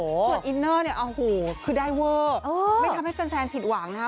ส่วนอินเนอร์เนี่ยโอ้โหคือได้เวอร์ไม่ทำให้แฟนผิดหวังนะคะ